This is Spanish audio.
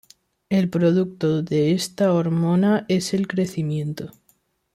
El producto de esta hormona es el crecimiento.